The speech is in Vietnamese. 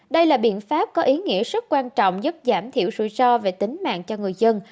đây là biện pháp có ý nghĩa rất quan trọng giúp giảm thiểu rủi ro về tính mạng cho người dân